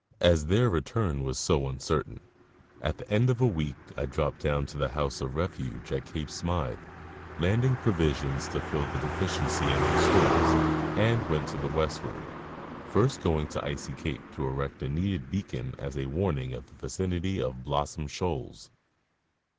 As their return was so uncertain, at the end of a week I dropped down to the house of refuge at Cape Smyth, landing provisions to fill the deficiency in their stores, and went to the westward, first going to Icy cape to erect a needed beacon as a warning of the vicinity of Blossom shoals.